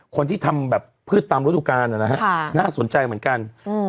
คนที่ทำแบบพืชตำรถุกาลน่ะนะฮะค่ะน่าสนใจเหมือนกันอืม